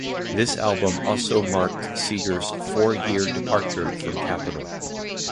This album also marked Seger's four-year departure from Capitol.